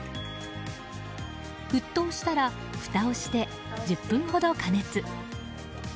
沸騰したら、ふたをして１０分ほど加熱。